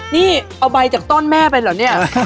นี่เอาใบจากต้นแม่ไปเหรอเนี่ย